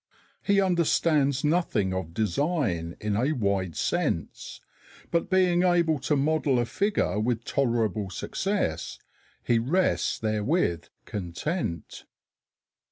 He understands nothing of design in a wide sense, but being able to model a figure with tolerable success he rests therewith content.